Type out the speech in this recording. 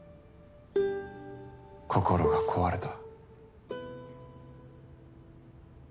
心が壊れた。